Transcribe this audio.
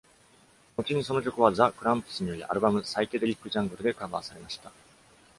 後に、その曲はザ・クランプスによりアルバム「サイケデリック・ジャングル」でカバーされました。